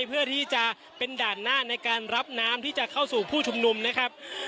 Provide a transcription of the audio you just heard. เพื่อที่จะเป็นด่านหน้าในการรับน้ำที่จะเข้าสู่ผู้ชุมนุมนะครับ